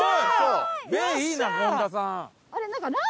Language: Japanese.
目いいな権田さん。